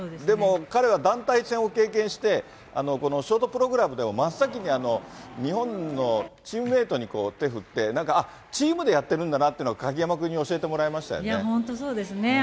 でも、彼は団体戦を経験して、ショートプログラムでも真っ先に日本のチームメートに手を振って、チームでやってるんだなっていうのを鍵山君に教えてもらいました本当、そうですね。